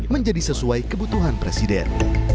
menjadi sesuai kebutuhan presiden